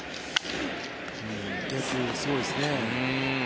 すごいですね。